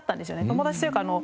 友達というかあの。